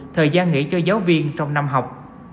thời gian nghỉ cho giáo viên trong năm học